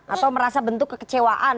atau merasa bentuk kekecewaan